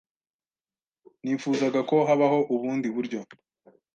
Nifuzaga ko habaho ubundi buryo.